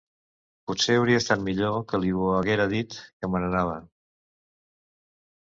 Potser hauria estat millor que li ho haguera dit, que me n'anava.